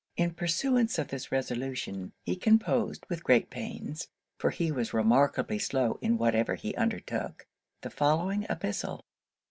In pursuance of this resolution, he composed, with great pains, (for he was remarkably slow in whatever he undertook) the following epistle.